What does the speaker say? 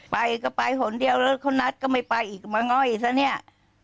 ไปก็ไปหนเทียวแล้วเขานัดก็ไม่ไปอีกก็มันเงาะอีกสั่นเนี่ย